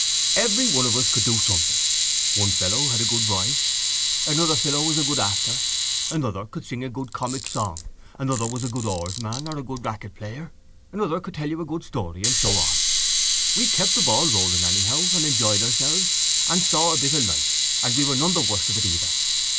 Everyone of us could do something. One fellow had a good voice, another fellow was a good actor, another could sing a good comic song, another was a good oarsman or a good racket player, another could tell a good story and so on. We kept the ball rolling anyhow and enjoyed ourselves and saw a bit of life and we were none the worse of it either.